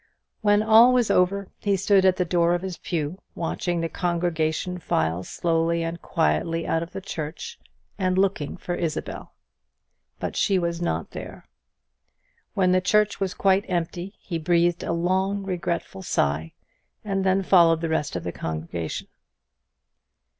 When all was over, he stood at the door of his pew, watching the congregation file slowly and quietly out of the church, and looking for Isabel. But she was not there. When the church was quite empty, he breathed a long regretful sigh, and then followed the rest of the congregation.